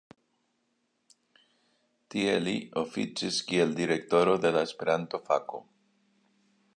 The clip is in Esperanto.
Tie li oficis kiel direktoro de la Esperanto-fako.